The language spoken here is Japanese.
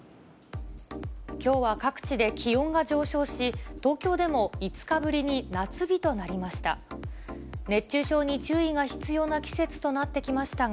きょうは各地で気温が上昇し、東京でも５日ぶりに夏日となりました。